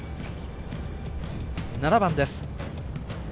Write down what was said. ７番です。